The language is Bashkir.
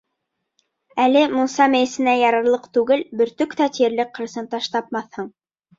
Әле мунса мейесенә ярарлыҡ түгел, бөртөк тә тиерлек ҡырсынташ тапмаҫһың.